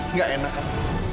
nggak enak al